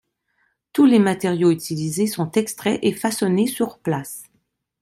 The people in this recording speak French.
Tous les matériaux utilisés sont extraits et façonnés sur place.